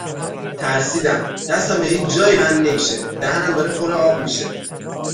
ترسیدم، دستم به هیچ جایی بند نمیشه، دهنم داره پر آب میشه